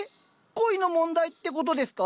恋の問題ってことですか？